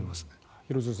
廣津留さん